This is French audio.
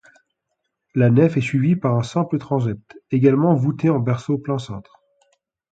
La nef est suivie par un simple transept, également voûté en berceau plein-cintre.